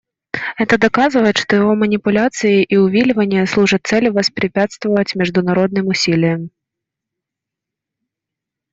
Это доказывает, что его манипуляции и увиливания служат цели воспрепятствовать международным усилиям.